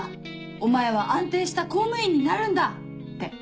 お前は安定した公務員になるんだ」って。